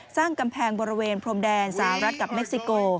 สร้างกำแพงบริเวณพรมแดนสหรัฐกับเม็กซิโก